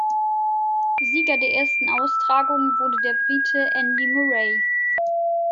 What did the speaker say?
Sieger der ersten Austragung wurde der Brite Andy Murray.